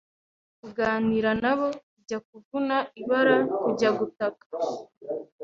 kuganira na bo, kujya kuvuna ibara, kujya gutaka.